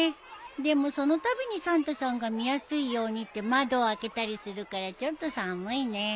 でもそのたびにサンタさんが見やすいようにって窓を開けたりするからちょっと寒いね。